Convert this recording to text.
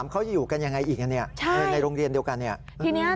เขาอยู่กันอย่างไรอีกในโรงเรียนเดียวกัน